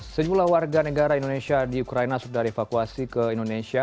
sejumlah warga negara indonesia di ukraina sudah dievakuasi ke indonesia